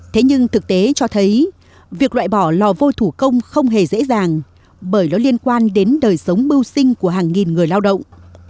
thế nhưng thực tế cho thấy việc loại bỏ lò vôi thủ công không hề dễ dàng bởi nó liên quan đến đời sống bưu sinh của hàng nghìn người lao động